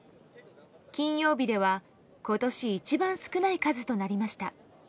金曜日では今年一番少ない数となりました。